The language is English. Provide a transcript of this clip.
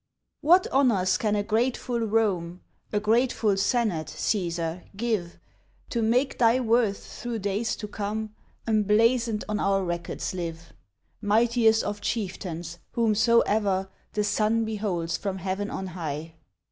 What honours can a grateful Rome, A grateful senate, Caesar, give To make thy worth through days to come Emblazon'd on our records live, Mightiest of chieftains whomsoe'er The sun beholds from heaven on high?